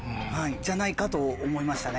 じゃないかと思いましたね。